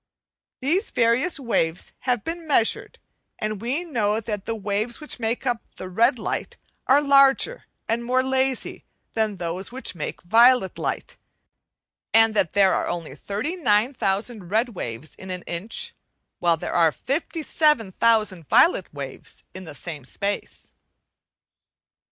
These various waves have been measured, and we know that the waves which make up red light are larger and more lazy than those which make violet light, so that there are only thirty nine thousand red waves in an inch, while there are fifty seven thousand violet waves in the same space.